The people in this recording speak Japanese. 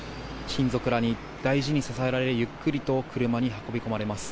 親族らに大事に支えられゆっくりと車に運ばれます。